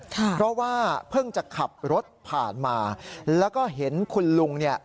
เพราะว่าเพิ่งจะขับรถผ่านมาแล้วก็เห็นคุณลุงเนี่ย